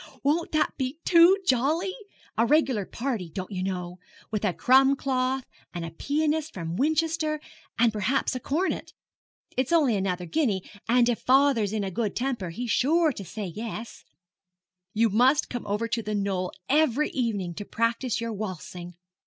Won't that be too jolly? A regular party, don't you know, with a crumb cloth, and a pianiste from Winchester, and perhaps a cornet. It's only another guinea, and if father's in a good temper he's sure to say yes. You must come over to The Knoll every evening to practise your waltzing.